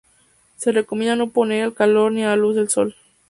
Se recomienda no poner al calor ni a la luz del sol.